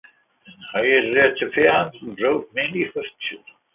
Hayrapetyan wrote mainly for children.